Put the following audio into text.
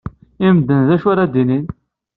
I medden, d acu ara d-inin?